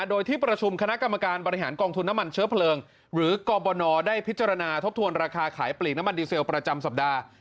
โดยที่ประชุมคณะกรรมการบริหารกองทุนน้ำมันเชื้อเพลิงหรือกรบนได้พิจารณาทบทวนราคาขายปลีกน้ำมันดีเซลประจำสัปดาห์